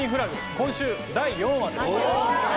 今週第４話です。